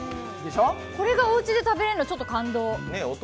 これがおうちで食べられるのちょっと感動。